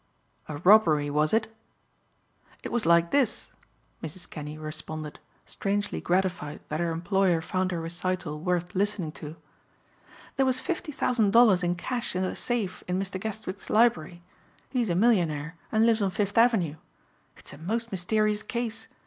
"A robbery was it?" "It was like this," Mrs. Kinney responded, strangely gratified that her employer found her recital worth listening to. "There was fifty thousand dollars in cash in the safe in Mr. Guestwick's library. He's a millionaire and lives on Fifth Avenue. It's a most mysterious case.